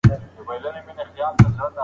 هیڅ قلف بې کیلي نه وي.